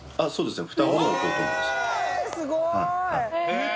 えっ！